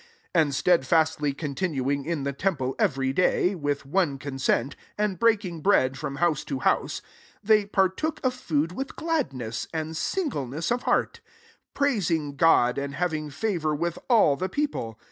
46 And stedfastly continuing in the tem ple every day, with one con ient> and breaking bread from bouse to house, they partook )ffi)od with gladness, and sin gleness of heart; 47 praising God, and having favour with ill the people.